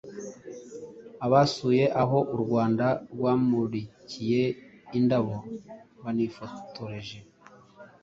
Abasuye aho u Rwanda rwamurikiye indabo banifotoreje